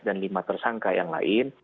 dan lima tersangka yang lain